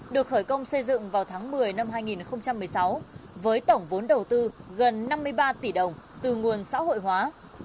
được khởi công xây dựng vào tháng một mươi năm hai nghìn một mươi sáu với tổng vốn đầu tư gần năm mươi ba tỷ đồng từ nguồn xã hội hóa